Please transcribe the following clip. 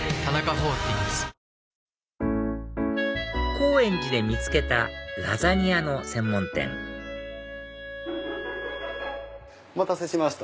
高円寺で見つけたラザニアの専門店お待たせしました。